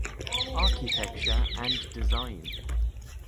Architecture and Design.